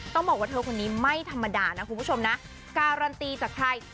ต้องบอกว่าเธอคนนี้ไม่ธรรมดานะคุณผู้ชมนะการันตีจากใคร